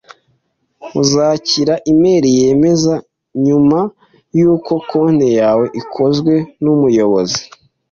Uzakira imeri yemeza nyuma yuko konte yawe ikozwe numuyobozi.